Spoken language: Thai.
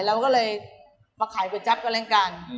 เราก็เลยมาขายก๋วยจั๊บก็แล้วกัน